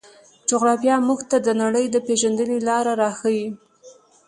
جغرافیه موږ ته د نړۍ د پېژندنې لاره راښيي.